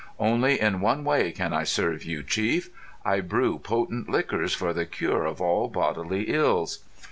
Only in one way can I serve you, chief. I brew potent liquors for the cure of all bodily ills."